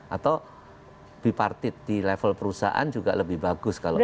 atau bipartit di level perusahaan juga lebih bagus kalau